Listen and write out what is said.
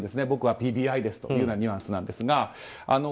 僕はＰＢＩですというニュアンスなんですが。